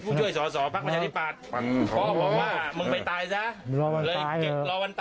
พ่อบอกว่ามึงไปตายซะรอวันตายเถอะ